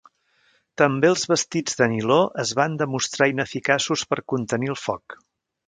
També els vestits de niló es van demostrar ineficaços per contenir el foc.